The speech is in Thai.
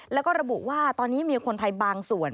แล้วก็ระบุว่าตอนนี้มีคนไทยบางส่วน